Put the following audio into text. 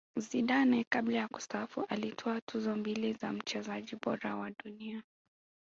zidane kabla ya kustaafu alitwaa tuzo mbili za mchezaji bora wa dunia